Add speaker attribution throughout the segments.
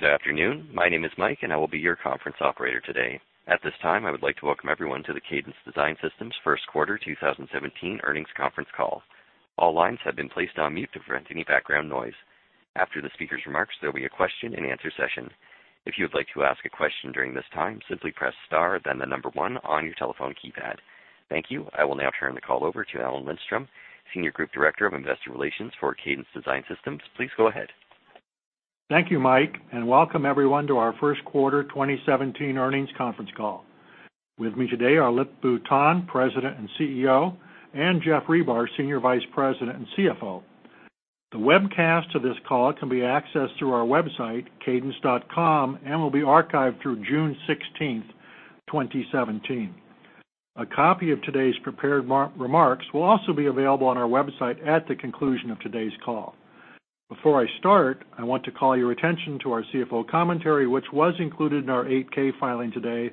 Speaker 1: Good afternoon. My name is Mike, and I will be your conference operator today. At this time, I would like to welcome everyone to the Cadence Design Systems first quarter 2017 earnings conference call. All lines have been placed on mute to prevent any background noise. After the speaker's remarks, there will be a question and answer session. If you would like to ask a question during this time, simply press star, then the number one on your telephone keypad. Thank you. I will now turn the call over to Alan Lindstrom, Senior Group Director of Investor Relations for Cadence Design Systems. Please go ahead.
Speaker 2: Thank you, Mike. Welcome everyone to our first quarter 2017 earnings conference call. With me today are Lip-Bu Tan, President and CEO, and Jeff Ribar, Senior Vice President and CFO. The webcast to this call can be accessed through our website, cadence.com, and will be archived through June 16th, 2017. A copy of today's prepared remarks will also be available on our website at the conclusion of today's call. Before I start, I want to call your attention to our CFO commentary, which was included in our Form 8-K filing today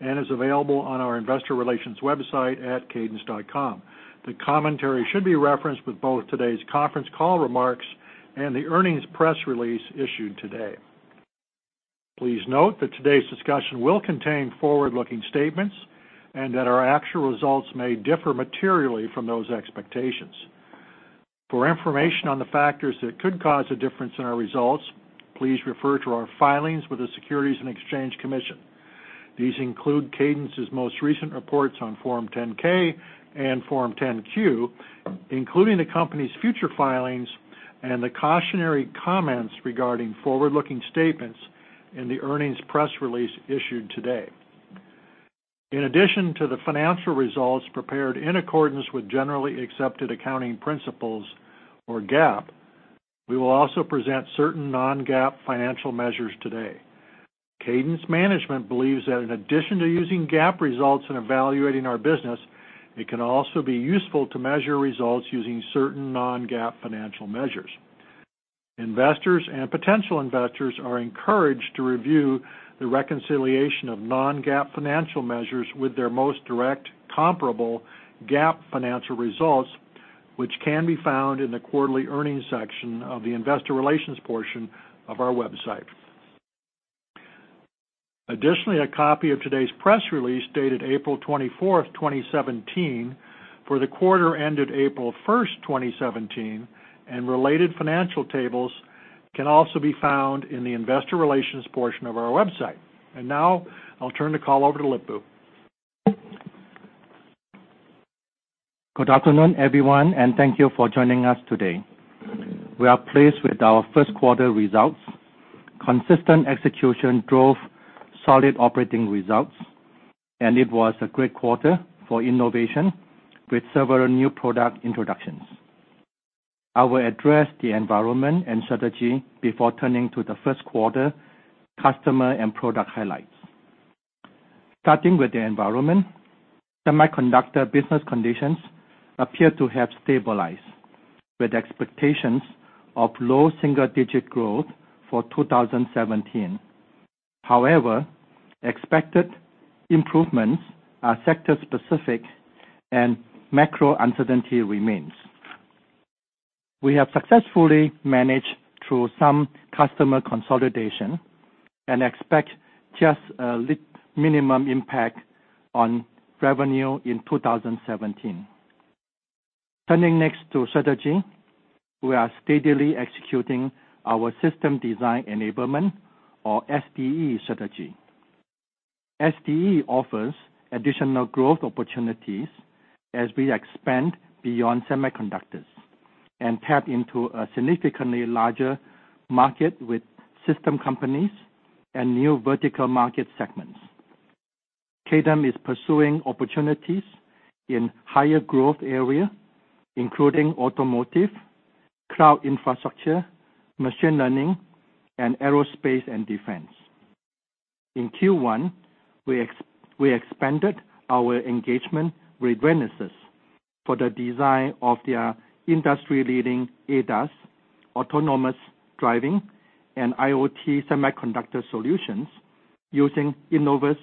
Speaker 2: and is available on our investor relations website at cadence.com. The commentary should be referenced with both today's conference call remarks and the earnings press release issued today. Please note that today's discussion will contain forward-looking statements and that our actual results may differ materially from those expectations. For information on the factors that could cause a difference in our results, please refer to our filings with the Securities and Exchange Commission. These include Cadence's most recent reports on Form 10-K and Form 10-Q, including the company's future filings and the cautionary comments regarding forward-looking statements in the earnings press release issued today. In addition to the financial results prepared in accordance with generally accepted accounting principles or GAAP, we will also present certain non-GAAP financial measures today. Cadence management believes that in addition to using GAAP results in evaluating our business, it can also be useful to measure results using certain non-GAAP financial measures. Investors and potential investors are encouraged to review the reconciliation of non-GAAP financial measures with their most direct comparable GAAP financial results, which can be found in the quarterly earnings section of the investor relations portion of our website. Additionally, a copy of today's press release, dated April twenty-fourth, 2017, for the quarter ended April first, 2017, and related financial tables can also be found in the investor relations portion of our website. Now I'll turn the call over to Lip-Bu.
Speaker 3: Good afternoon, everyone, and thank you for joining us today. We are pleased with our first quarter results. Consistent execution drove solid operating results. It was a great quarter for innovation with several new product introductions. I will address the environment and strategy before turning to the first quarter customer and product highlights. Starting with the environment, semiconductor business conditions appear to have stabilized, with expectations of low single-digit growth for 2017. Expected improvements are sector-specific and macro uncertainty remains. We have successfully managed through some customer consolidation and expect just a minimum impact on revenue in 2017. Turning next to strategy. We are steadily executing our system design enablement or SDE strategy. SDE offers additional growth opportunities as we expand beyond semiconductors and tap into a significantly larger market with system companies and new vertical market segments. Cadence is pursuing opportunities in higher growth areas, including automotive, cloud infrastructure, machine learning, and aerospace and defense. In Q1, we expanded our engagement with Renesas for the design of their industry-leading ADAS, autonomous driving, and IoT semiconductor solutions using Innovus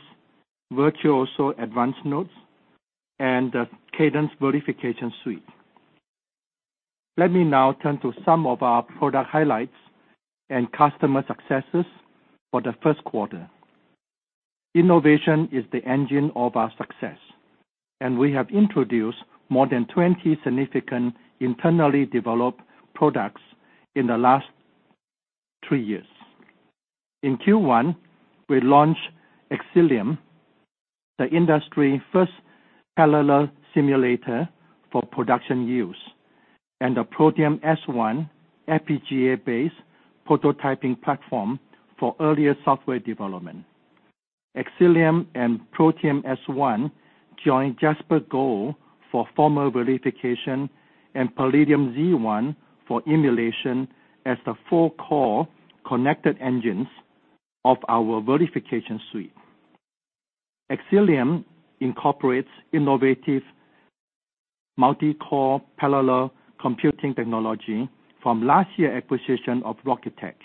Speaker 3: Virtuoso advanced nodes and the Cadence verification suite. Let me now turn to some of our product highlights and customer successes for the first quarter. Innovation is the engine of our success. We have introduced more than 20 significant internally developed products in the last three years. In Q1, we launched Xcelium, the industry first parallel simulator for production use. The Protium S1 FPGA-based prototyping platform for earlier software development. Xcelium and Protium S1 join JasperGold for formal verification and Palladium Z1 for emulation as the four-core connected engines of our verification suite. Xcelium incorporates innovative multi-core parallel computing technology from last year's acquisition of Rocketick.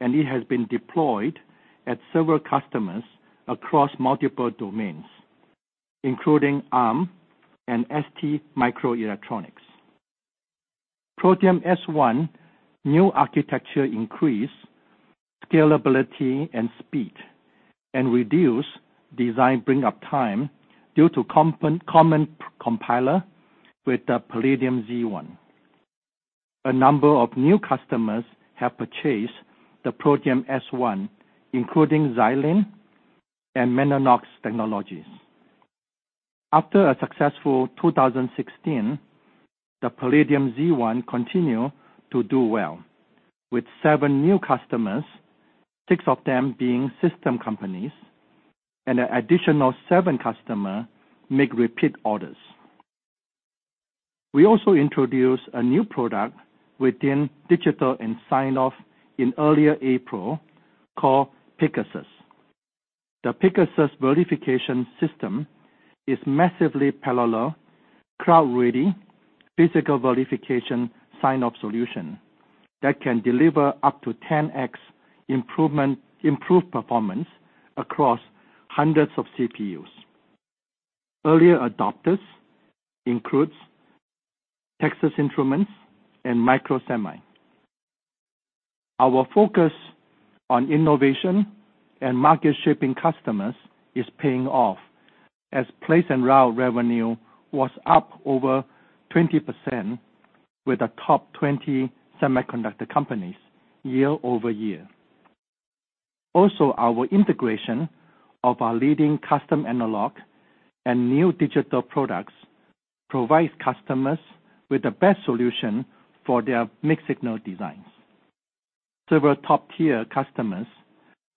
Speaker 3: It has been deployed at several customers across multiple domains, including Arm and STMicroelectronics. Protium S1 new architecture increases scalability and speed and reduces design bring up time due to common compiler with the Palladium Z1. A number of new customers have purchased the Protium S1, including Xilinx and Mellanox Technologies. After a successful 2016, the Palladium Z1 continues to do well with seven new customers, six of them being system companies. An additional seven customers make repeat orders. We also introduced a new product within digital and sign-off in earlier April called Pegasus. The Pegasus verification system is massively parallel, cloud-ready, physical verification sign-off solution that can deliver up to 10x improved performance across hundreds of CPUs. Early adopters include Texas Instruments and Microsemi. Our focus on innovation and market-shaping customers is paying off, as place and route revenue was up over 20% with the top 20 semiconductor companies year-over-year. Our integration of our leading custom analog and new digital products provides customers with the best solution for their mixed-signal designs. Several top-tier customers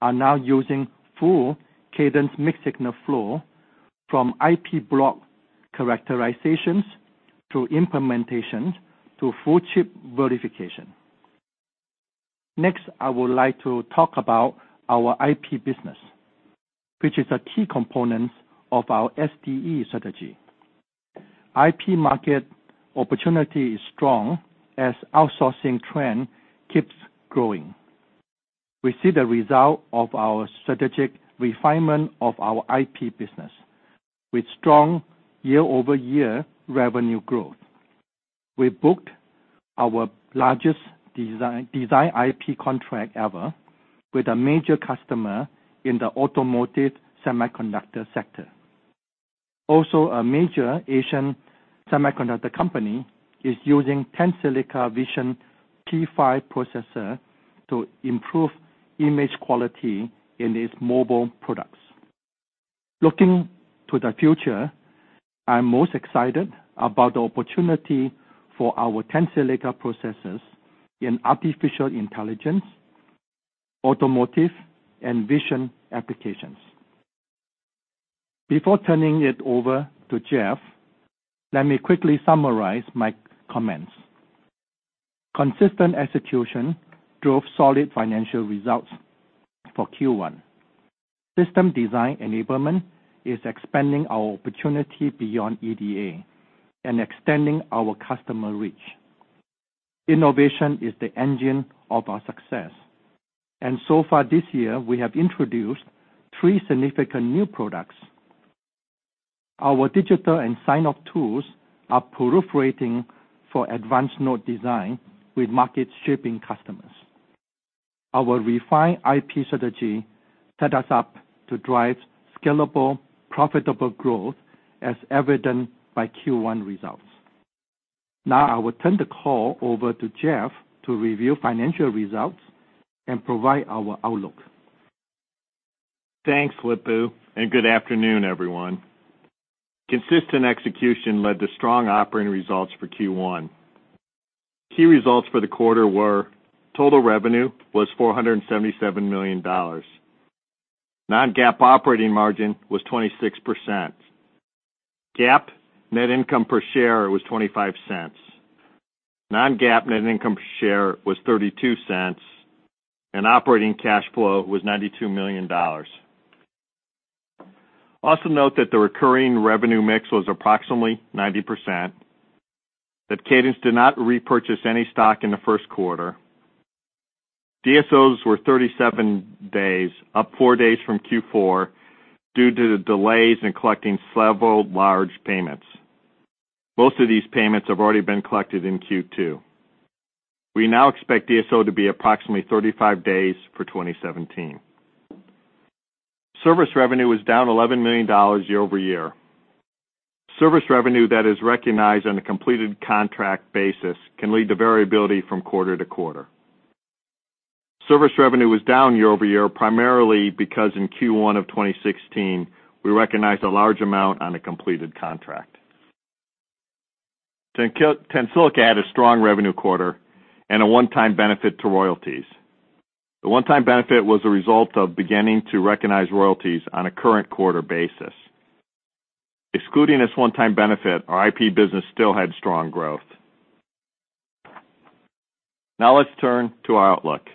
Speaker 3: are now using full Cadence mixed-signal flow from IP block characterizations to implementations to full chip verification. Next, I would like to talk about our IP business, which is a key component of our SDE strategy. IP market opportunity is strong as outsourcing trend keeps growing. We see the result of our strategic refinement of our IP business with strong year-over-year revenue growth. We booked our largest design IP contract ever with a major customer in the automotive semiconductor sector. Also, a major Asian semiconductor company is using Tensilica Vision P5 processor to improve image quality in its mobile products. Looking to the future, I'm most excited about the opportunity for our Tensilica processors in artificial intelligence, automotive, and vision applications. Before turning it over to Geoff, let me quickly summarize my comments. Consistent execution drove solid financial results for Q1. System design enablement is expanding our opportunity beyond EDA and extending our customer reach. Innovation is the engine of our success, and so far this year, we have introduced three significant new products. Our digital and sign-off tools are proliferating for advanced node design with market-shaping customers. Our refined IP strategy set us up to drive scalable, profitable growth as evidenced by Q1 results. I will turn the call over to Geoff to review financial results and provide our outlook.
Speaker 4: Thanks, Lip-Bu, good afternoon, everyone. Consistent execution led to strong operating results for Q1. Key results for the quarter were: total revenue was $477 million. Non-GAAP operating margin was 26%. GAAP net income per share was $0.25. Non-GAAP net income per share was $0.32, and operating cash flow was $92 million. Also note that the recurring revenue mix was approximately 90%, that Cadence did not repurchase any stock in the first quarter. DSOs were 37 days, up four days from Q4 due to the delays in collecting several large payments. Most of these payments have already been collected in Q2. We now expect DSO to be approximately 35 days for 2017. Service revenue was down $11 million year-over-year. Service revenue that is recognized on a completed contract basis can lead to variability from quarter-to-quarter. Service revenue was down year-over-year, primarily because in Q1 of 2016, we recognized a large amount on a completed contract. Tensilica had a strong revenue quarter and a one-time benefit to royalties. The one-time benefit was a result of beginning to recognize royalties on a current quarter basis. Excluding this one-time benefit, our IP business still had strong growth. Let's turn to our outlook.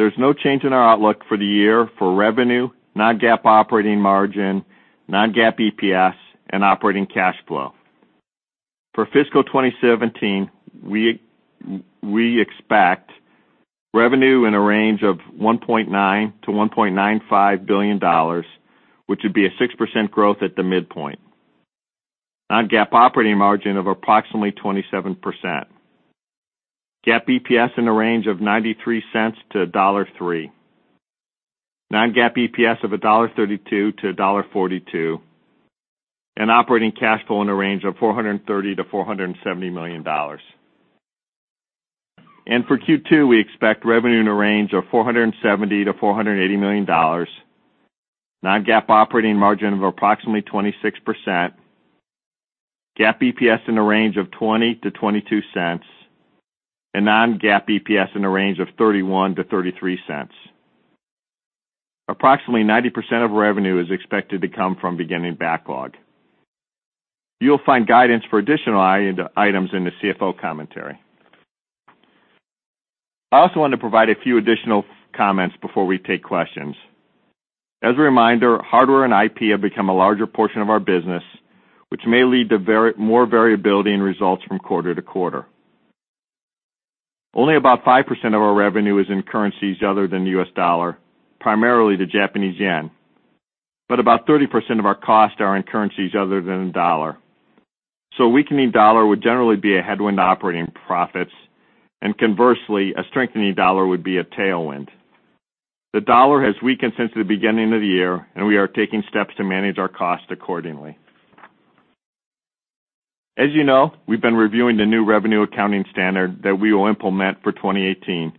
Speaker 4: There's no change in our outlook for the year for revenue, non-GAAP operating margin, non-GAAP EPS, and operating cash flow. For fiscal 2017, we expect revenue in a range of $1.9 billion-$1.95 billion, which would be a 6% growth at the midpoint. Non-GAAP operating margin of approximately 27%. GAAP EPS in the range of $0.93-$1.03. Non-GAAP EPS of $1.32-$1.42. Operating cash flow in the range of $430 million-$470 million. For Q2, we expect revenue in the range of $470 million-$480 million, non-GAAP operating margin of approximately 26%, GAAP EPS in the range of $0.20-$0.22, non-GAAP EPS in the range of $0.31-$0.33. Approximately 90% of revenue is expected to come from beginning backlog. You'll find guidance for additional items in the CFO commentary. I also want to provide a few additional comments before we take questions. As a reminder, hardware and IP have become a larger portion of our business, which may lead to more variability in results from quarter-to-quarter. Only about 5% of our revenue is in currencies other than the U.S. dollar, primarily the Japanese yen. About 30% of our costs are in currencies other than the dollar. A weakening dollar would generally be a headwind to operating profits, and conversely, a strengthening dollar would be a tailwind. The dollar has weakened since the beginning of the year, and we are taking steps to manage our costs accordingly. As you know, we've been reviewing the new revenue accounting standard that we will implement for 2018,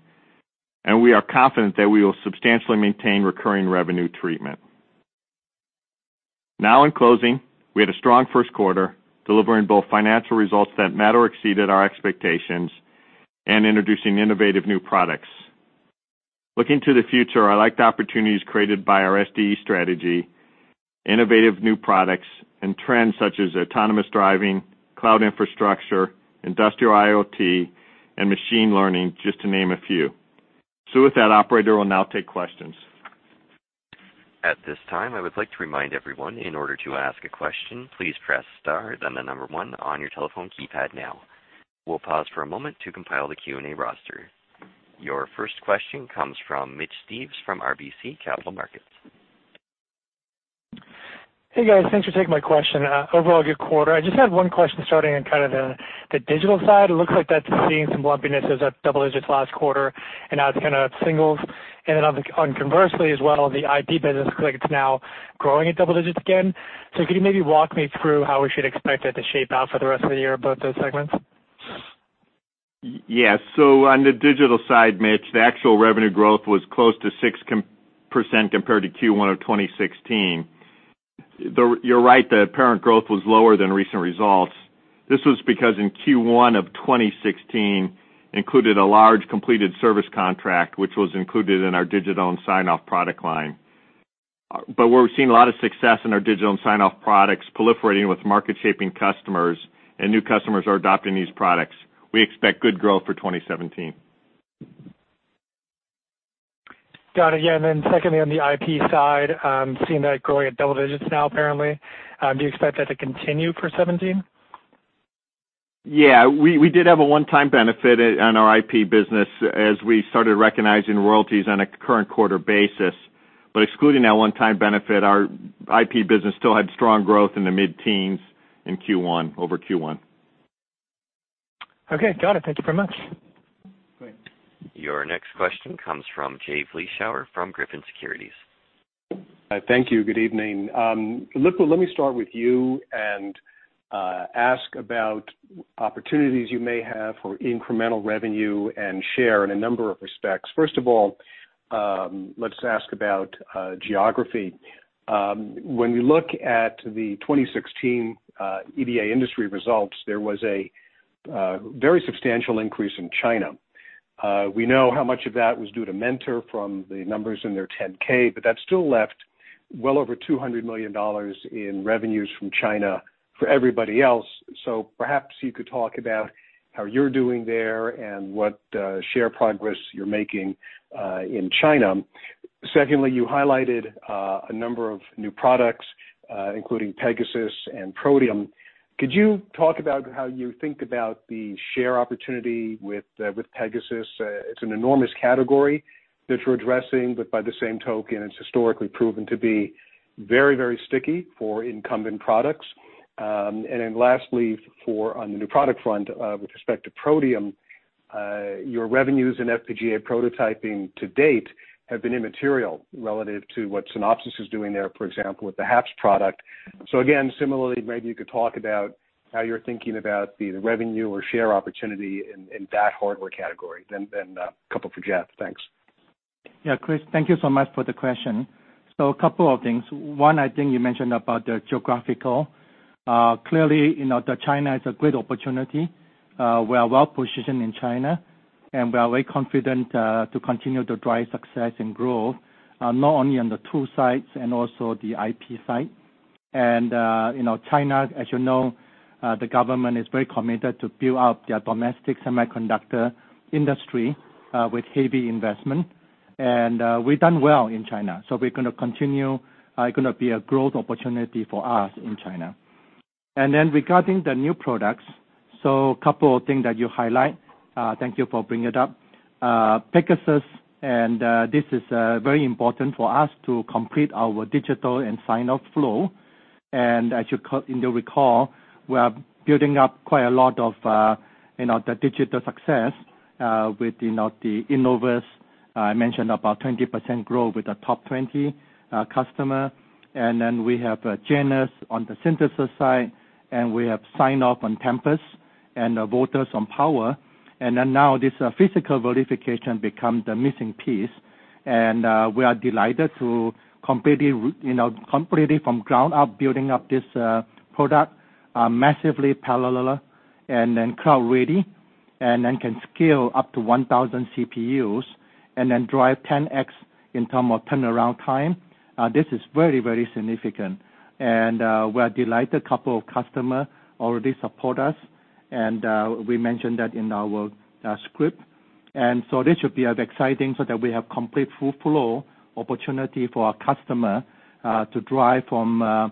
Speaker 4: and we are confident that we will substantially maintain recurring revenue treatment. Now, in closing, we had a strong first quarter, delivering both financial results that met or exceeded our expectations and introducing innovative new products. Looking to the future, I like the opportunities created by our SDE strategy, innovative new products, and trends such as autonomous driving, cloud infrastructure, industrial IoT, and machine learning, just to name a few. With that, operator, we'll now take questions.
Speaker 1: At this time, I would like to remind everyone, in order to ask a question, please press star, then the number one on your telephone keypad now. We'll pause for a moment to compile the Q&A roster. Your first question comes from Mitch Steves from RBC Capital Markets.
Speaker 5: Hey, guys. Thanks for taking my question. Overall, good quarter. I just had one question starting on kind of the digital side. It looks like that's seeing some lumpiness. It was up double digits last quarter, and now it's kind of singles. And then on conversely as well, the IP business looks like it's now growing at double digits again. Could you maybe walk me through how we should expect that to shape out for the rest of the year, both those segments?
Speaker 4: Yes. On the digital side, Mitch, the actual revenue growth was close to 6% compared to Q1 of 2016. You're right, the apparent growth was lower than recent results. This was because in Q1 of 2016 included a large completed service contract, which was included in our digital and sign-off product line. We're seeing a lot of success in our digital and sign-off products proliferating with market-shaping customers, and new customers are adopting these products. We expect good growth for 2017.
Speaker 5: Got it. Yeah, then secondly, on the IP side, seeing that growing at double digits now, apparently. Do you expect that to continue for 2017?
Speaker 4: Yeah, we did have a one-time benefit on our IP business as we started recognizing royalties on a current quarter basis. Excluding that one-time benefit, our IP business still had strong growth in the mid-teens over Q1.
Speaker 5: Okay, got it. Thank you very much.
Speaker 4: Great.
Speaker 1: Your next question comes from Jay Vleeschhouwer from Griffin Securities.
Speaker 6: Thank you. Good evening. Lip-Bu, let me start with you and ask about opportunities you may have for incremental revenue and share in a number of respects. First of all, let's ask about geography. When we look at the 2016 EDA industry results, there was a very substantial increase in China. We know how much of that was due to Mentor from the numbers in their 10-K, but that still left well over $200 million in revenues from China for everybody else. Perhaps you could talk about how you're doing there and what share progress you're making in China. Secondly, you highlighted a number of new products, including Pegasus and Protium. Could you talk about how you think about the share opportunity with Pegasus? It's an enormous category that you're addressing, but by the same token, it's historically proven to be very sticky for incumbent products. Lastly, on the new product front, with respect to Protium, your revenues in FPGA prototyping to date have been immaterial relative to what Synopsys is doing there, for example, with the HAPS product. Again, similarly, maybe you could talk about how you're thinking about the revenue or share opportunity in that hardware category. Then a couple for Jeff. Thanks.
Speaker 3: Krish, thank you so much for the question. A couple of things. One, I think you mentioned about the geographical. Clearly, China is a great opportunity. We are well-positioned in China, and we are very confident to continue to drive success and grow, not only on the tool side and also the IP side. China, as you know, the government is very committed to build out their domestic semiconductor industry with heavy investment, and we've done well in China. We're going to continue. It's going to be a growth opportunity for us in China. Regarding the new products, a couple of things that you highlight. Thank you for bringing it up. Pegasus, and this is very important for us to complete our digital and sign-off flow. As you recall, we are building up quite a lot of the digital success with the Innovus. I mentioned about 20% growth with the top 20 customer. Then we have Genus on the synthesis side, and we have sign-off on Tempus, and Voltus on power. Then now this physical verification become the missing piece. We are delighted to completely from ground up building up this product massively parallel and then cloud ready, and then can scale up to 1,000 CPUs, and then drive 10X in terms of turnaround time. This is very significant. We are delighted a couple of customer already support us, and we mentioned that in our script. This should be exciting so that we have complete full flow opportunity for our customer to drive from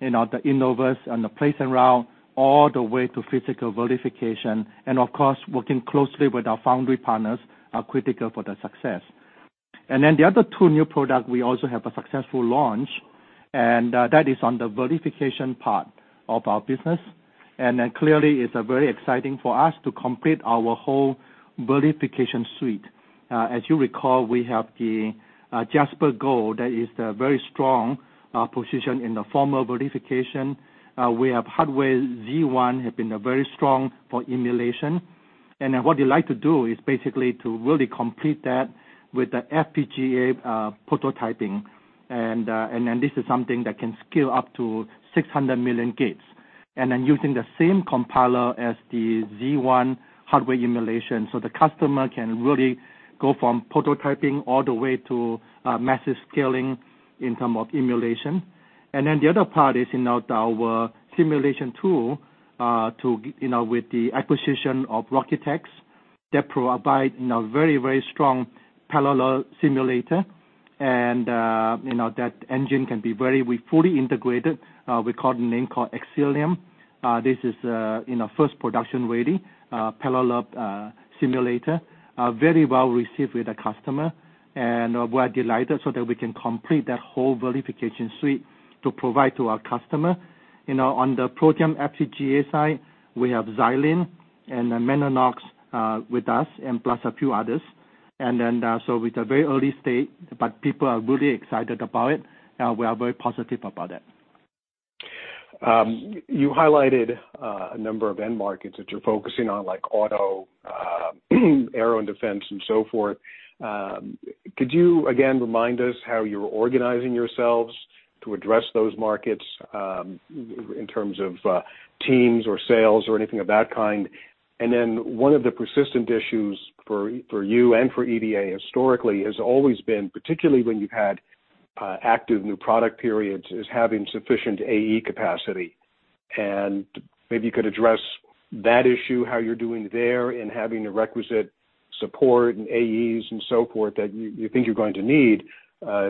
Speaker 3: the Innovus and the place and route, all the way to physical verification. Of course, working closely with our foundry partners are critical for the success. The other two new product we also have a successful launch, that is on the verification part of our business. Clearly it's very exciting for us to complete our whole verification suite. As you recall, we have the JasperGold that is the very strong position in the formal verification. We have Palladium Z1, have been very strong for emulation. What we like to do is basically to really complete that with the FPGA prototyping. This is something that can scale up to 600 million gates. Using the same compiler as the Z1 hardware emulation, so the customer can really go from prototyping all the way to massive scaling in term of emulation. The other part is in our simulation tool, with the acquisition of Rocketick, that provide very strong parallel simulator and that engine can be very fully integrated. We call the name called Xcelium. This is first production-ready parallel simulator. Very well-received with the customer, and we are delighted so that we can complete that whole verification suite to provide to our customer. On the Protium FPGA side, we have Xilinx and Mellanox with us, plus a few others. It's a very early state, but people are really excited about it. We are very positive about it.
Speaker 6: You highlighted a number of end markets that you're focusing on, like auto, aero, and defense, and so forth. Could you again remind us how you're organizing yourselves to address those markets in terms of teams or sales or anything of that kind? One of the persistent issues for you and for EDA historically has always been, particularly when you've had active new product periods, is having sufficient AE capacity. Maybe you could address that issue, how you're doing there in having the requisite support and AEs and so forth that you think you're going to need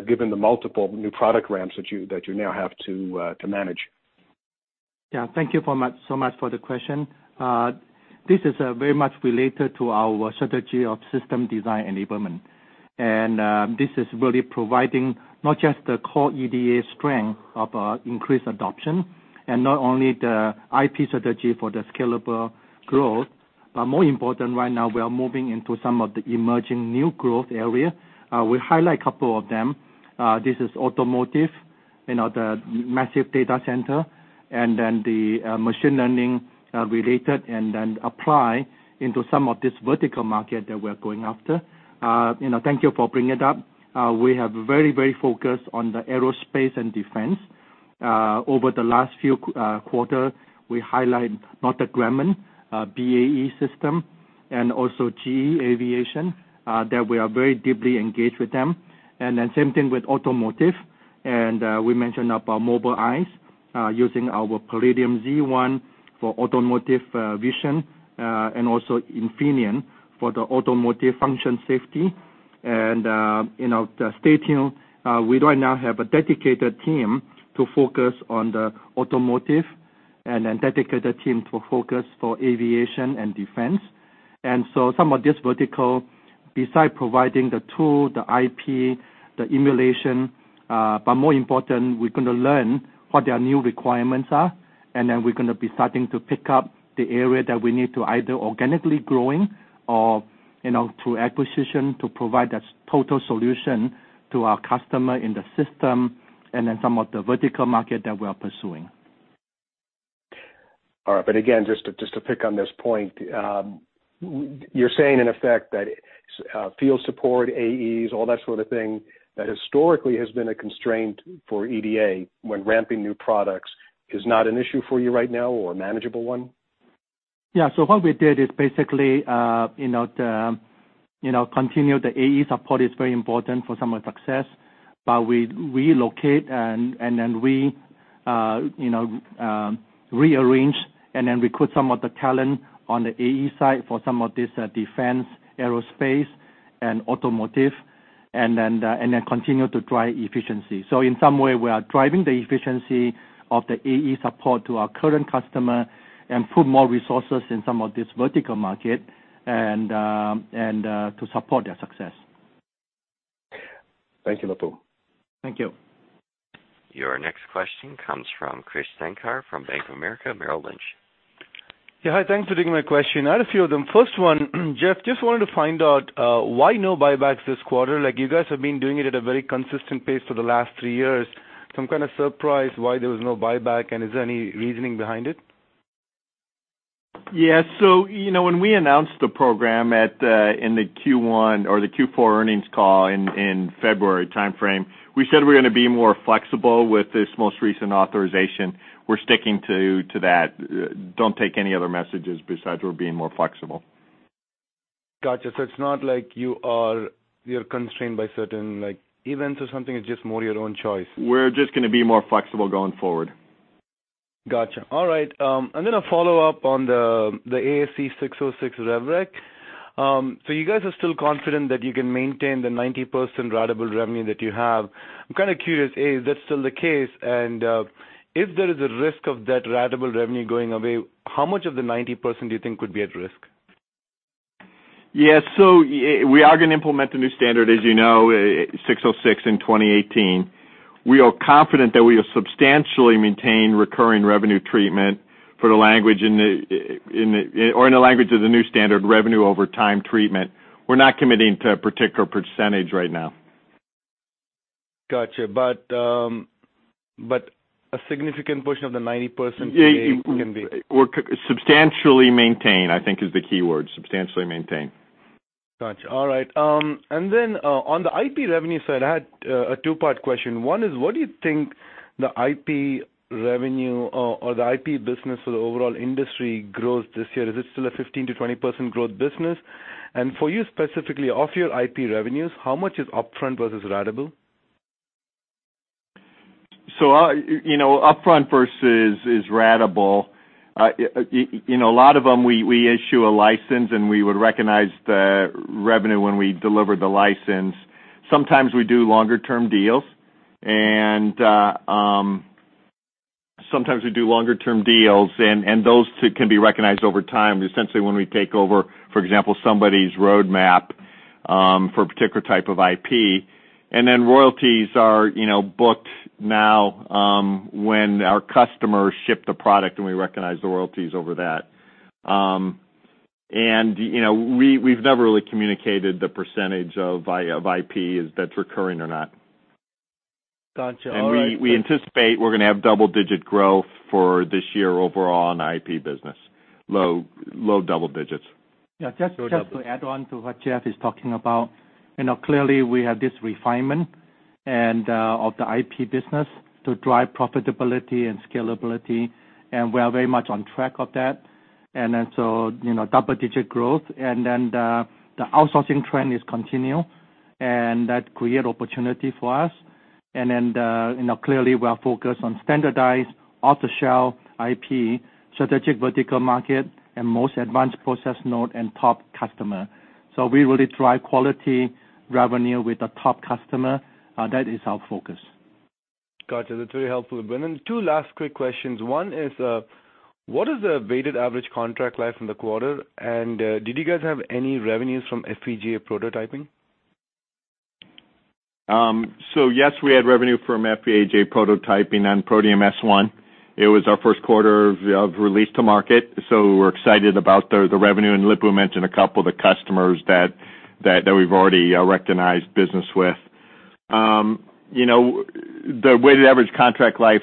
Speaker 6: given the multiple new product ramps that you now have to manage.
Speaker 3: Thank you so much for the question. This is very much related to our strategy of system design enablement. This is really providing not just the core EDA strength of increased adoption and not only the IP strategy for the scalable growth, more important right now, we are moving into some of the emerging new growth area. We highlight a couple of them. This is automotive, the massive data center, the machine learning related, apply into some of this vertical market that we are going after. Thank you for bringing it up. We have very focused on the aerospace and defense. Over the last few quarter, we highlight Northrop Grumman, BAE Systems, and also GE Aviation, that we are very deeply engaged with them. Same thing with automotive. We mentioned about Mobileye, using our Palladium Z1 for automotive vision, also Infineon for the automotive function safety. We right now have a dedicated team to focus on the automotive and then dedicated team to focus for aviation and defense. Some of this vertical, besides providing the tool, the IP, the emulation, but more important, we're going to learn what their new requirements are, then we're going to be starting to pick up the area that we need to either organically growing or through acquisition to provide that total solution to our customer in the system and then some of the vertical market that we are pursuing.
Speaker 6: All right. Again, just to pick on this point, you're saying in effect that field support, AEs, all that sort of thing that historically has been a constraint for EDA when ramping new products is not an issue for you right now or a manageable one?
Speaker 3: Yeah. What we did is basically continue the AE support is very important for some of success. We relocate then we rearrange then recruit some of the talent on the AE side for some of this defense, aerospace, and automotive, then continue to drive efficiency. In some way, we are driving the efficiency of the AE support to our current customer and put more resources in some of this vertical market to support their success.
Speaker 2: Thank you, Lip-Bu.
Speaker 3: Thank you.
Speaker 1: Your next question comes from Krish Sankar from Bank of America Merrill Lynch.
Speaker 7: Yeah. Hi. Thanks for taking my question. I had a few of them. First one, Geoff, just wanted to find out why no buybacks this quarter. You guys have been doing it at a very consistent pace for the last three years. I'm kind of surprised why there was no buyback, and is there any reasoning behind it?
Speaker 4: Yeah. When we announced the program in the Q4 earnings call in February timeframe, we said we're going to be more flexible with this most recent authorization. We're sticking to that. Don't take any other messages besides we're being more flexible.
Speaker 7: Got you. It's not like you are constrained by certain events or something, it's just more your own choice.
Speaker 4: We're just going to be more flexible going forward.
Speaker 7: Got you. All right. I'm going to follow up on the ASC 606 rev rec. You guys are still confident that you can maintain the 90% ratable revenue that you have. I'm kind of curious, A, is that still the case, and if there is a risk of that ratable revenue going away, how much of the 90% do you think could be at risk?
Speaker 4: Yeah. We are going to implement the new standard, as you know, 606 in 2018. We are confident that we have substantially maintained recurring revenue treatment for the language, or in the language of the new standard, revenue over time treatment. We're not committing to a particular percentage right now.
Speaker 7: Got you. A significant portion of the 90% today can be
Speaker 4: Substantially maintained, I think, is the keyword. Substantially maintained.
Speaker 7: Got you. All right. Then on the IP revenue side, I had a two-part question. One is, what do you think the IP revenue or the IP business for the overall industry growth this year, is it still a 15%-20% growth business? For you specifically, of your IP revenues, how much is upfront versus ratable?
Speaker 4: Upfront versus ratable. A lot of them, we issue a license and we would recognize the revenue when we deliver the license. Sometimes we do longer-term deals, and those can be recognized over time. Essentially when we take over, for example, somebody's roadmap for a particular type of IP. Then royalties are booked now when our customers ship the product, and we recognize the royalties over that. We've never really communicated the percentage of IP that's recurring or not.
Speaker 7: Got you. All right.
Speaker 4: We anticipate we're going to have double-digit growth for this year overall on the IP business. Low double digits.
Speaker 3: Yeah. Just to add on to what Geoff is talking about. Clearly, we have this refinement of the IP business to drive profitability and scalability, we are very much on track of that. Double-digit growth, the outsourcing trend is continue, that create opportunity for us. Clearly, we are focused on standardized off-the-shelf IP, strategic vertical market, most advanced process node and top customer. We really drive quality revenue with the top customer. That is our focus.
Speaker 7: Got you. That's very helpful. Two last quick questions. One is what is the weighted average contract life in the quarter, did you guys have any revenues from FPGA prototyping?
Speaker 4: Yes, we had revenue from FPGA prototyping on Protium S1. It was our first quarter of release to market, so we're excited about the revenue. Lip-Bu mentioned a couple of the customers that we've already recognized business with. The weighted average contract life,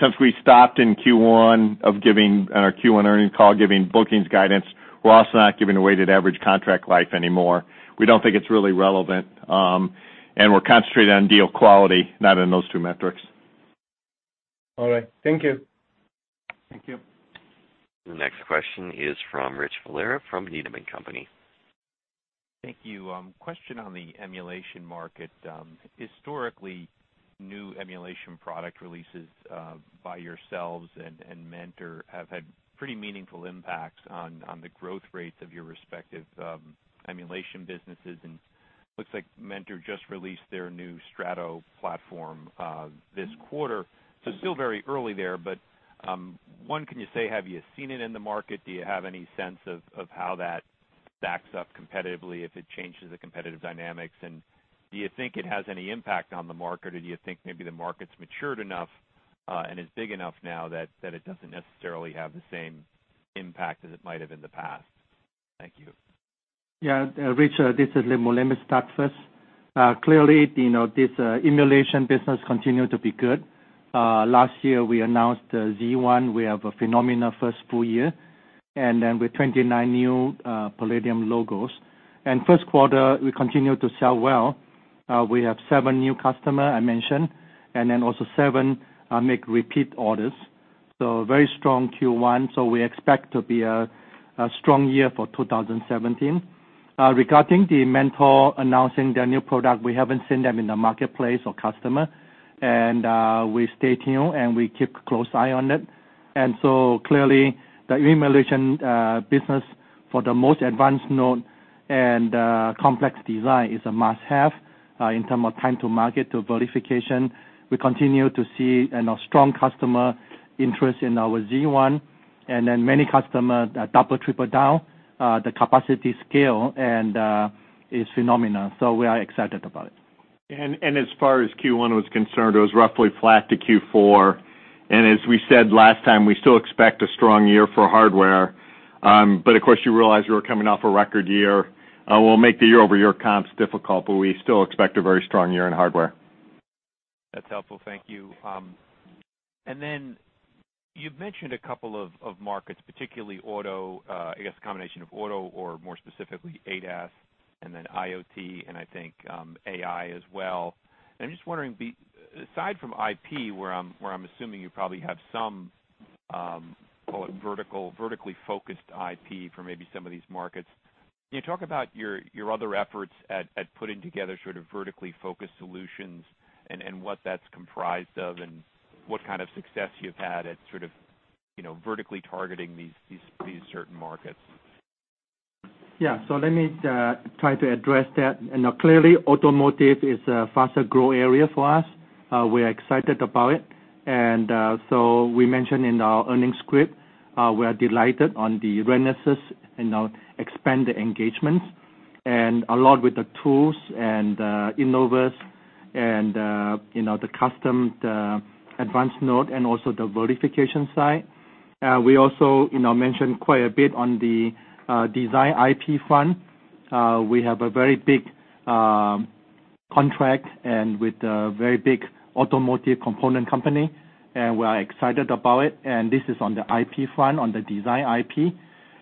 Speaker 4: since we stopped in Q1 of giving our Q1 earnings call, giving bookings guidance, we're also not giving a weighted average contract life anymore. We don't think it's really relevant. We're concentrated on deal quality, not on those two metrics.
Speaker 7: All right. Thank you.
Speaker 3: Thank you.
Speaker 1: The next question is from Richard Valera from Needham & Company.
Speaker 8: Thank you. Question on the emulation market. Historically, new emulation product releases by yourselves and Mentor have had pretty meaningful impacts on the growth rates of your respective emulation businesses, looks like Mentor just released their new Strato platform this quarter. Still very early there. One, can you say, have you seen it in the market? Do you have any sense of how that stacks up competitively, if it changes the competitive dynamics, and do you think it has any impact on the market, or do you think maybe the market's matured enough and is big enough now that it doesn't necessarily have the same impact as it might have in the past? Thank you.
Speaker 3: Yeah. Rich, this is Lip-Bu. Let me start first. Clearly, this emulation business continue to be good. Last year, we announced Z1. We have a phenomenal first full year. With 29 new Palladium logos. First quarter, we continue to sell well. We have seven new customer I mentioned, also seven make repeat orders. Very strong Q1. We expect to be a strong year for 2017. Regarding the Mentor announcing their new product, we haven't seen them in the marketplace or customer. We stay tuned, and we keep a close eye on it. Clearly, the emulation business for the most advanced node and complex design is a must-have, in term of time to market, to verification. We continue to see strong customer interest in our Z1, many customer double, triple down, the capacity scale and is phenomenal. We are excited about it.
Speaker 4: As far as Q1 was concerned, it was roughly flat to Q4. As we said last time, we still expect a strong year for hardware. Of course, you realize we're coming off a record year. We'll make the year-over-year comps difficult, but we still expect a very strong year in hardware.
Speaker 8: That's helpful. Thank you. You've mentioned a couple of markets, particularly auto, I guess the combination of auto or more specifically ADAS and then IoT. I think AI as well. I'm just wondering, aside from IP, where I'm assuming you probably have some, call it vertically focused IP for maybe some of these markets. Can you talk about your other efforts at putting together sort of vertically focused solutions and what that's comprised of and what kind of success you've had at sort of vertically targeting these certain markets?
Speaker 3: Yeah. Let me try to address that. Clearly automotive is a faster growth area for us. We're excited about it. We mentioned in our earnings script, we are delighted on the Renesas and expand the engagements along with the tools and Innovus and the custom advanced node and also the verification side. We also mentioned quite a bit on the design IP front. We have a very big contract with a very big automotive component company, and we are excited about it, and this is on the IP front, on the design IP.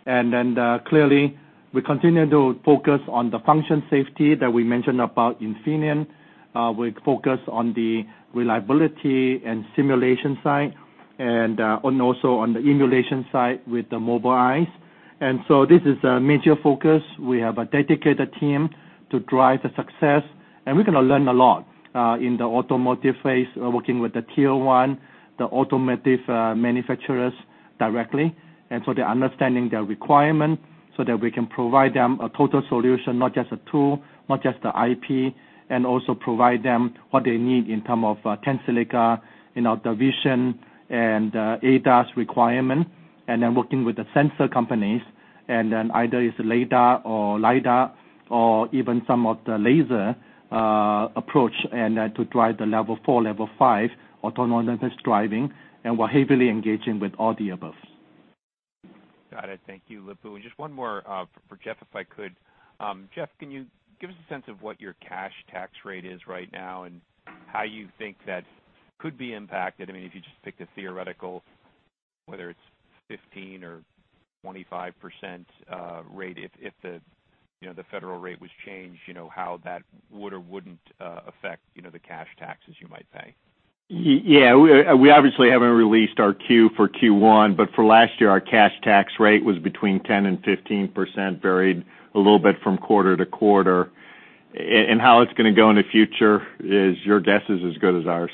Speaker 3: Then, clearly we continue to focus on the function safety that we mentioned about Infineon. We focus on the reliability and simulation side and also on the emulation side with the Mobileye. This is a major focus. We have a dedicated team to drive the success, and we're going to learn a lot, in the automotive phase, working with the tier 1, the automotive manufacturers directly. So they're understanding their requirement so that we can provide them a total solution, not just a tool, not just the IP, and also provide them what they need in terms of Tensilica in our division and ADAS requirement. Then working with the sensor companies, either it's LiDAR or LiDAR or even some of the laser approach to drive the level 4, level 5 autonomous driving. We're heavily engaging with all the above.
Speaker 8: Got it. Thank you, Lip-Bu. Just one more, for Jeff, if I could. Jeff, can you give us a sense of what your cash tax rate is right now and how you think that could be impacted? I mean, if you just picked a theoretical, whether it's 15% or 25% rate, if the federal rate was changed, how that would or wouldn't affect the cash taxes you might pay.
Speaker 4: Yeah. We obviously haven't released our Q for Q1, for last year, our cash tax rate was between 10% and 15%, varied a little bit from quarter to quarter. How it's going to go in the future is your guess is as good as ours.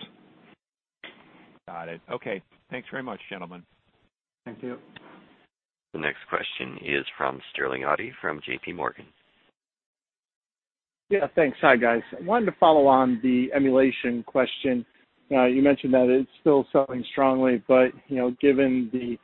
Speaker 8: Got it. Okay. Thanks very much, gentlemen.
Speaker 3: Thank you.
Speaker 1: The next question is from Sterling Auty from JPMorgan.
Speaker 9: Yeah, thanks. Hi, guys. I wanted to follow on the emulation question. You mentioned that it's still selling strongly, but given the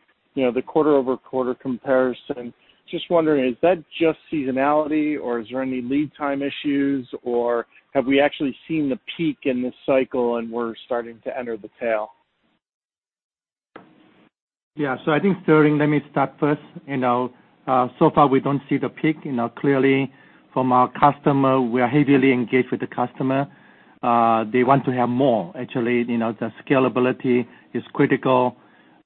Speaker 9: quarter-over-quarter comparison, just wondering, is that just seasonality or is there any lead time issues, or have we actually seen the peak in this cycle and we're starting to enter the tail?
Speaker 3: I think Sterling, let me start first. Far we don't see the peak. Clearly from our customer, we are heavily engaged with the customer. They want to have more actually, the scalability is critical.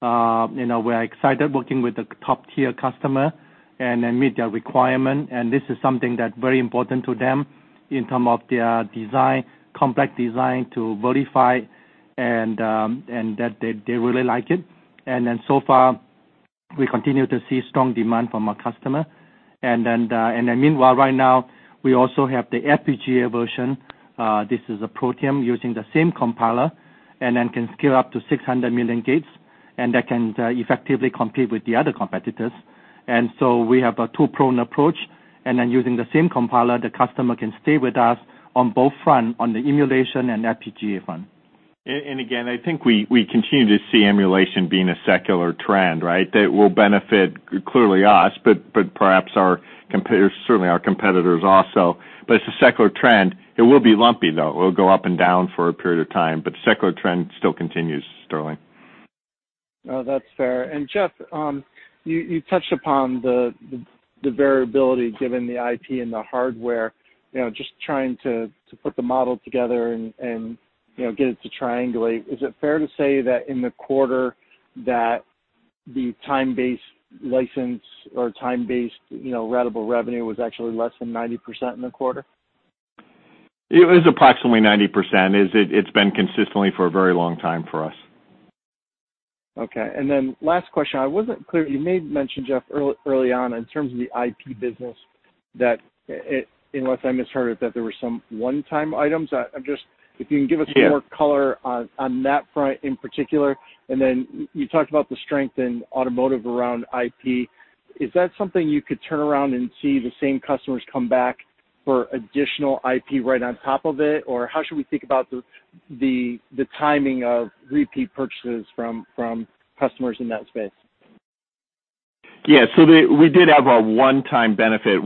Speaker 3: We're excited working with the top tier customer and then meet their requirement, and this is something that's very important to them in term of their design, complex design to verify and that they really like it. Far we continue to see strong demand from our customer. Meanwhile, right now we also have the FPGA version. This is a Protium using the same compiler and then can scale up to 600 million gates, and that can effectively compete with the other competitors. We have a two-pronged approach. Using the same compiler, the customer can stay with us on both front, on the emulation and FPGA front.
Speaker 4: Again, I think we continue to see emulation being a secular trend, right? That will benefit clearly us, but perhaps certainly our competitors also. It's a secular trend. It will be lumpy, though. It'll go up and down for a period of time, but the secular trend still continues, Sterling.
Speaker 9: No, that's fair. Geoff, you touched upon the variability given the IP and the hardware, just trying to put the model together and get it to triangulate. Is it fair to say that in the quarter that the time-based license or time-based ratable revenue was actually less than 90% in the quarter?
Speaker 4: It was approximately 90%. It's been consistently for a very long time for us.
Speaker 9: Okay. Then last question, I wasn't clear, you made mention, Geoff, early on in terms of the IP business that, unless I misheard it, that there were some one-time items. I'm just, if you can give us-
Speaker 4: Yeah
Speaker 9: more color on that front in particular. Then you talked about the strength in automotive around IP. Is that something you could turn around and see the same customers come back for additional IP right on top of it? Or how should we think about the timing of repeat purchases from customers in that space?
Speaker 4: Yeah. We did have a one-time benefit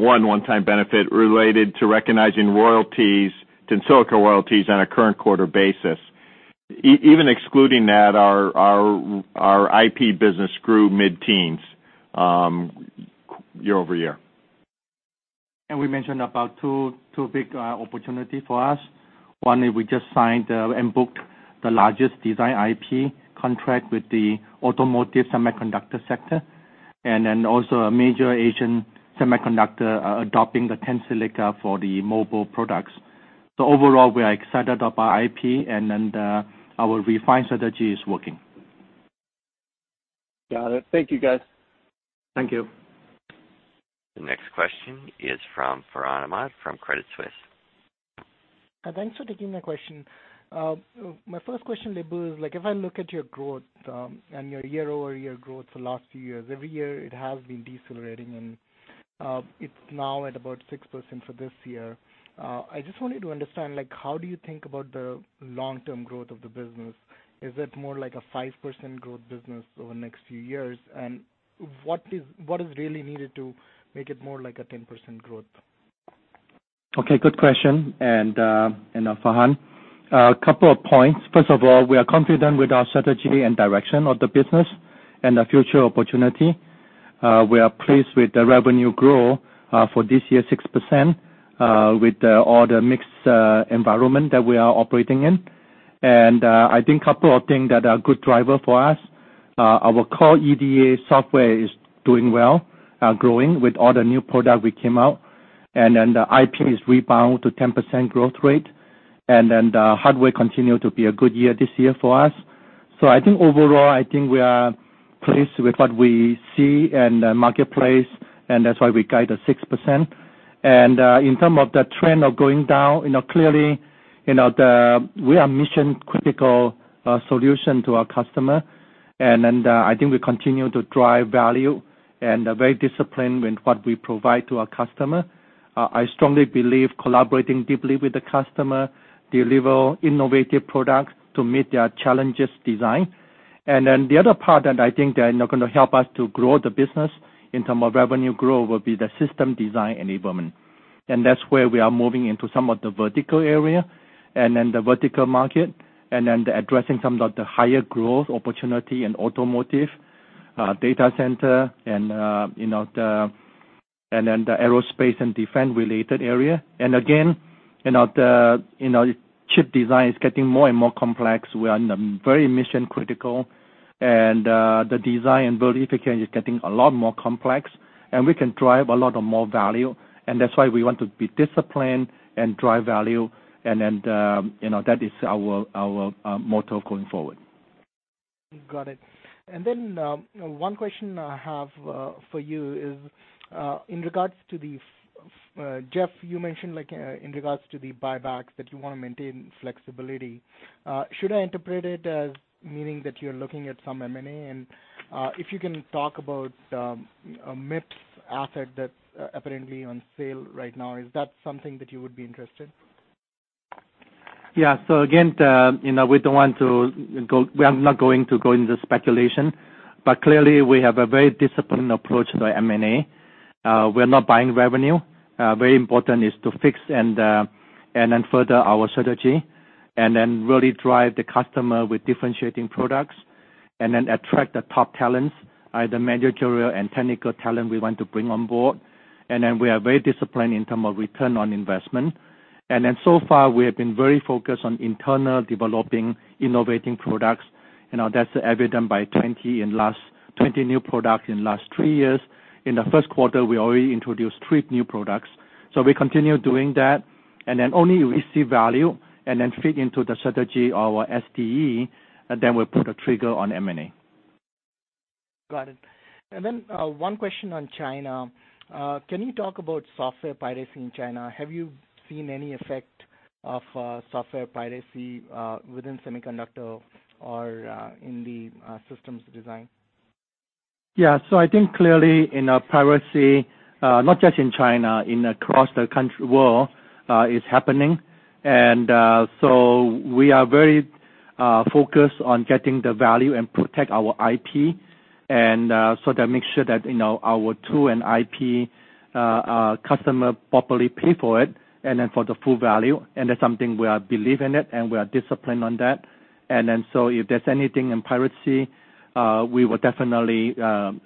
Speaker 4: related to recognizing royalties, Tensilica royalties on a current quarter basis. Even excluding that, our IP business grew mid-teens year-over-year.
Speaker 3: We mentioned about two big opportunity for us. One is we just signed, and booked the largest design IP contract with the automotive semiconductor sector, and then also a major Asian semiconductor, adopting the Tensilica for the mobile products. Overall, we are excited about IP, our refined strategy is working.
Speaker 9: Got it. Thank you, guys.
Speaker 3: Thank you.
Speaker 1: The next question is from Farhan Ahmad from Credit Suisse.
Speaker 10: Thanks for taking my question. My first question, Lip-Bu, is like if I look at your growth, and your year-over-year growth for last few years, every year it has been decelerating and it's now at about 6% for this year. I just wanted to understand, like how do you think about the long-term growth of the business? Is it more like a 5% growth business over the next few years? What is really needed to make it more like a 10% growth?
Speaker 3: Okay, good question. Farhan, a couple of points. First of all, we are confident with our strategy and direction of the business and the future opportunity. We are pleased with the revenue growth, for this year, 6%, with all the mixed environment that we are operating in. I think couple of thing that are good driver for us, our core EDA software is doing well, growing with all the new product we came out, and then the IP is rebound to 10% growth rate. The hardware continue to be a good year this year for us. I think overall, I think we are pleased with what we see in the marketplace, and that's why we guide the 6%. In term of the trend of going down, clearly, we are mission-critical solution to our customer. I think we continue to drive value and are very disciplined with what we provide to our customer. I strongly believe collaborating deeply with the customer, deliver innovative products to meet their challenges design. The other part that I think that are now going to help us to grow the business in term of revenue growth will be the system design enablement. That's where we are moving into some of the vertical area, and then the vertical market, and then the addressing some of the higher growth opportunity in automotive, data center, and then the aerospace and defense related area. Again, the chip design is getting more and more complex. We are very mission-critical, and the design verification is getting a lot more complex, and we can drive a lot of more value, and that's why we want to be disciplined and drive value. That is our motto going forward.
Speaker 10: Got it. One question I have for you is, in regards to the Geoff, you mentioned in regards to the buybacks that you want to maintain flexibility. Should I interpret it as meaning that you're looking at some M&A? If you can talk about, a MIPS asset that's apparently on sale right now. Is that something that you would be interested?
Speaker 3: Yeah. Again, we are not going to go into speculation, but clearly we have a very disciplined approach to our M&A. We are not buying revenue. Very important is to fix and further our strategy, and really drive the customer with differentiating products, and attract the top talents, either managerial and technical talent we want to bring on board. We are very disciplined in terms of return on investment. So far, we have been very focused on internal developing, innovating products. That's evident by 20 new products in last three years. In the first quarter, we already introduced three new products. We continue doing that, and only we see value and fit into the strategy, our SDE, then we put a trigger on M&A.
Speaker 10: Got it. One question on China. Can you talk about software piracy in China? Have you seen any effect of software piracy within semiconductor or in the systems design?
Speaker 3: I think clearly in piracy, not just in China, in across the country world, is happening. We are very focused on getting the value and protect our IP. That make sure that our tool and IP customer properly pay for it and then for the full value. That's something we are believe in it, and we are disciplined on that. If there's anything in piracy, we will definitely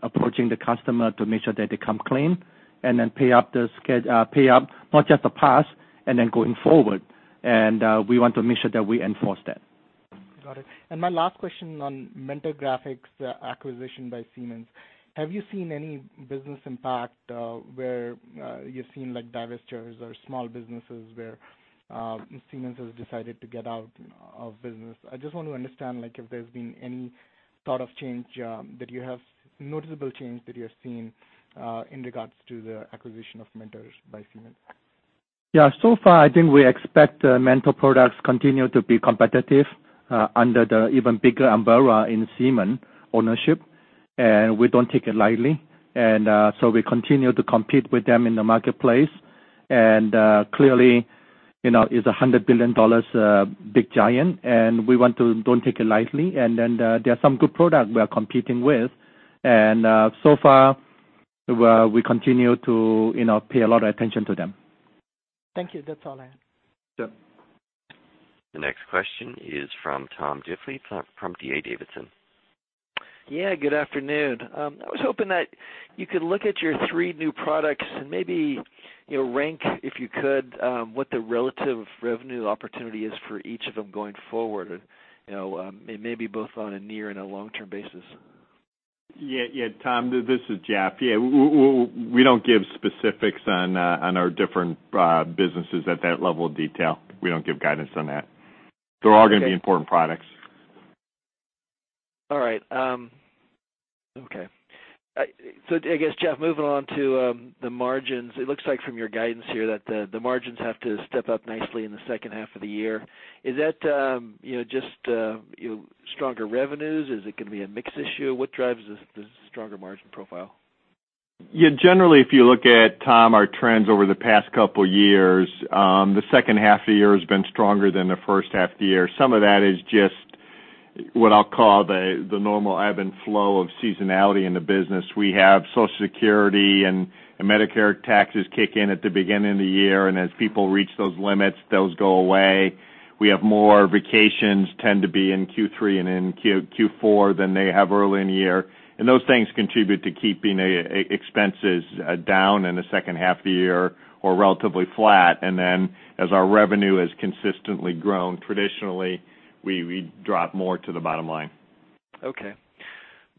Speaker 3: approaching the customer to make sure that they come clean and then pay up not just the past and then going forward. We want to make sure that we enforce that.
Speaker 10: Got it. My last question on Mentor Graphics acquisition by Siemens. Have you seen any business impact where you've seen divestitures or small businesses where Siemens has decided to get out of business? I just want to understand if there's been any sort of noticeable change that you have seen in regards to the acquisition of Mentor by Siemens.
Speaker 3: So far, I think we expect Mentor products continue to be competitive under the even bigger umbrella in Siemens ownership, and we don't take it lightly. We continue to compete with them in the marketplace. Clearly, it's $100 billion big giant, we don't take it lightly. There are some good products we are competing with. So far, we continue to pay a lot of attention to them.
Speaker 10: Thank you. That's all I have.
Speaker 3: Sure.
Speaker 1: The next question is from Tom Diffley from D.A. Davidson.
Speaker 11: Yeah, good afternoon. I was hoping that you could look at your three new products and maybe rank, if you could, what the relative revenue opportunity is for each of them going forward, and maybe both on a near and a long-term basis.
Speaker 4: Yeah, Tom, this is Geoff. Yeah, we don't give specifics on our different businesses at that level of detail. We don't give guidance on that. They're all going to be important products.
Speaker 11: All right. Okay. I guess, Geoff, moving on to the margins, it looks like from your guidance here that the margins have to step up nicely in the second half of the year. Is that just stronger revenues? Is it going to be a mix issue? What drives this stronger margin profile?
Speaker 4: Generally, if you look at, Tom, our trends over the past couple years, the second half of the year has been stronger than the first half of the year. Some of that is just what I'll call the normal ebb and flow of seasonality in the business. We have Social Security and Medicare taxes kick in at the beginning of the year, and as people reach those limits, those go away. We have more vacations tend to be in Q3 and in Q4 than they have early in the year. Those things contribute to keeping expenses down in the second half of the year or relatively flat. As our revenue has consistently grown, traditionally, we drop more to the bottom line.
Speaker 11: Okay.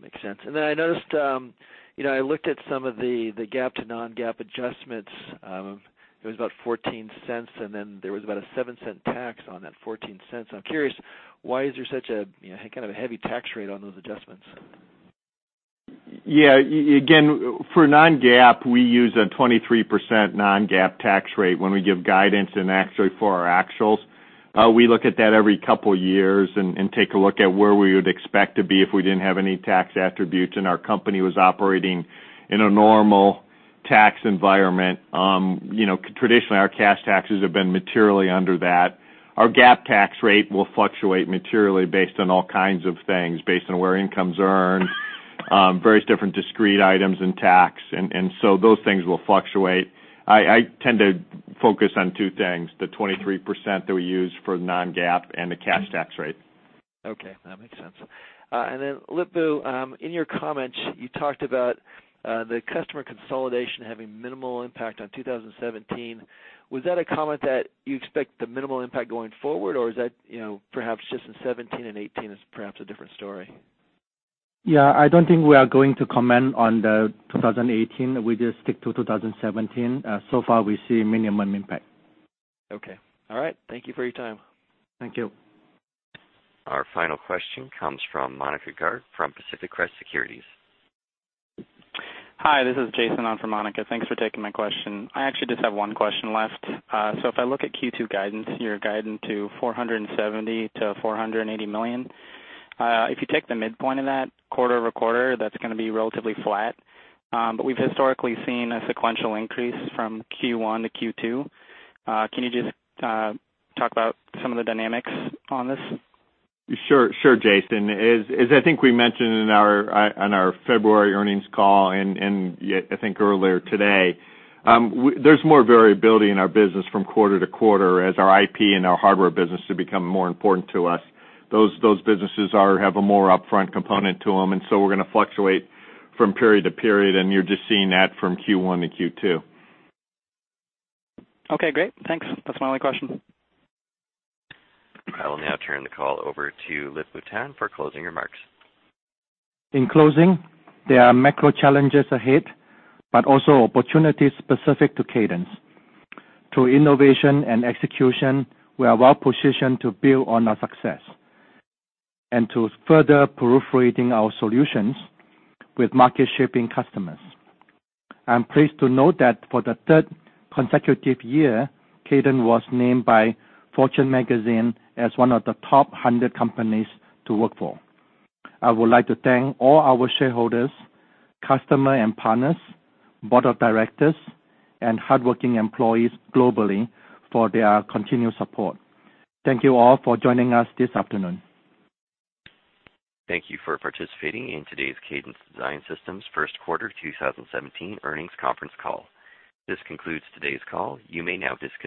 Speaker 11: Makes sense. I noticed, I looked at some of the GAAP to non-GAAP adjustments. It was about $0.14, then there was about a $0.07 tax on that $0.14. I'm curious, why is there such a heavy tax rate on those adjustments?
Speaker 4: Again, for non-GAAP, we use a 23% non-GAAP tax rate when we give guidance and actually for our actuals. We look at that every couple years and take a look at where we would expect to be if we didn't have any tax attributes and our company was operating in a normal tax environment. Traditionally, our cash taxes have been materially under that. Our GAAP tax rate will fluctuate materially based on all kinds of things, based on where income's earned, various different discrete items in tax. Those things will fluctuate. I tend to focus on two things, the 23% that we use for non-GAAP and the cash tax rate.
Speaker 11: Okay, that makes sense. Lip-Bu, in your comments, you talked about the customer consolidation having minimal impact on 2017. Was that a comment that you expect the minimal impact going forward, or is that perhaps just in 2017 and 2018 is perhaps a different story?
Speaker 3: Yeah, I don't think we are going to comment on the 2018. We just stick to 2017. So far, we see minimum impact.
Speaker 11: Okay. All right. Thank you for your time.
Speaker 3: Thank you.
Speaker 1: Our final question comes from Monika Garg from Pacific Crest Securities.
Speaker 12: Hi, this is Jason on for Monika. Thanks for taking my question. I actually just have one question left. If I look at Q2 guidance, you're guiding to $470 million-$480 million. If you take the midpoint of that quarter-over-quarter, that's going to be relatively flat. Can you just talk about some of the dynamics on this?
Speaker 4: Sure, Jason. As I think we mentioned on our February earnings call and I think earlier today, there's more variability in our business from quarter-to-quarter as our IP and our hardware business should become more important to us. Those businesses have a more upfront component to them, we're going to fluctuate from period to period, you're just seeing that from Q1 to Q2.
Speaker 12: Okay, great. Thanks. That's my only question.
Speaker 1: I will now turn the call over to Lip-Bu Tan for closing remarks.
Speaker 3: In closing, there are macro challenges ahead, but also opportunities specific to Cadence. Through innovation and execution, we are well-positioned to build on our success and to further proliferating our solutions with market-shaping customers. I am pleased to note that for the third consecutive year, Fortune magazine named Cadence as one of the top 100 companies to work for. I would like to thank all our shareholders, customer and partners, board of directors, and hardworking employees globally for their continued support. Thank you all for joining us this afternoon.
Speaker 1: Thank you for participating in today's Cadence Design Systems first quarter 2017 earnings conference call. This concludes today's call. You may now disconnect.